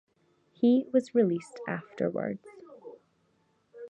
He was released afterwards.